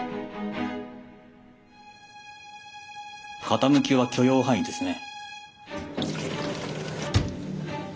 傾きは許容範囲ですね。